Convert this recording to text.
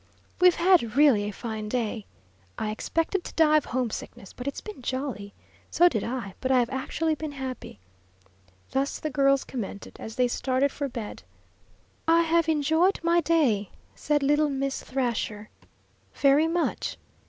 "We've had really a fine day!" "I expected to die of homesickness, but it's been jolly!" "So did I, but I have actually been happy." Thus the girls commented as they started for bed. "I have enjoyed my day," said little Miss Thrasher, "very much."